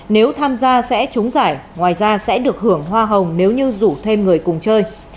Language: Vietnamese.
nếu tham gia sẽ trúng giải ngoài ra sẽ được hưởng hoa hồng nếu như rủ thêm người cùng chơi